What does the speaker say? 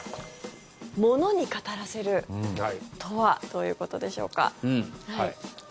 ものに語らせるとはどういうことでしょうか。